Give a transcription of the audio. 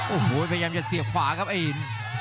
โอ้โหพยายามจะเสียบขวาครับไอ้